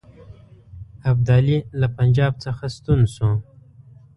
ابدالي له پنجاب څخه ستون شو.